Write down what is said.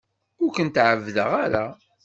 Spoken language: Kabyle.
Ur kent-ɛebbdeɣ ara.